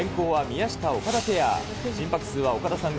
先攻は宮下・岡田ペア。